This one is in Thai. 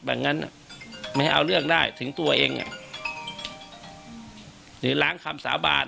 อย่างนั้นไม่ให้เอาเรื่องได้ถึงตัวเองหรือล้างคำสาบาน